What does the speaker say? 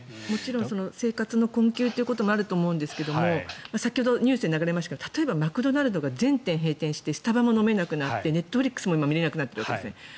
もちろん生活の困窮というのはあるんですけど先ほどニュースで流れましたが例えばマクドナルドが全店閉店してスタバも飲めなくなってネットフリックスも見れなくなっているわけですね。